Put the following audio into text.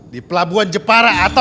di pelabuhan jepara atau wilayah jepang